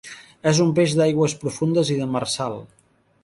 És un peix d'aigües profundes i demersal.